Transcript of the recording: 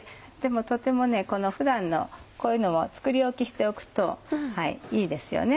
とてもこの普段のこういうのも作り置きしておくといいですよね。